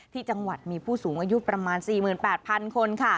ที่จังหวัดมีผู้สูงอายุประมาณ๔๘๐๐๐คน